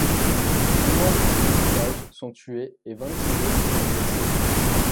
Dix membres d’équipages sont tués et vingt-six autres sont blessés.